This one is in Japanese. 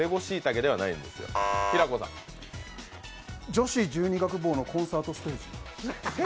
女子十二楽坊のコンサートステージ？